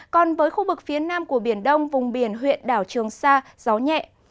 còn với khu vực phía nam của biển đông vùng biển huyện đảo trường sa gió nhẹ